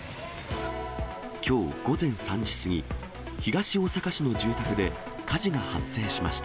きょう午前３時過ぎ、東大阪市の住宅で、火事が発生しました。